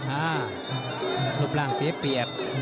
อ่าภูมิแรงเสียเปียบ